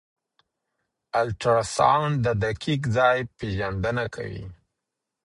الټراساؤنډ د دقیق ځای پېژندنه کوي.